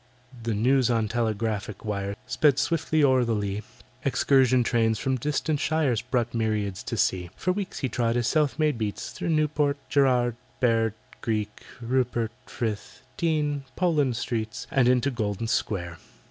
The news on telegraphic wires Sped swiftly o'er the lea, Excursion trains from distant shires Brought myriads to see. For weeks he trod his self made beats Through Newport Gerrard Bear Greek Rupert Frith Dean Poland Streets, And into Golden Square.